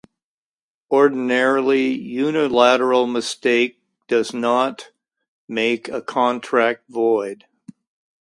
Ordinarily, unilateral mistake does not make a contract void.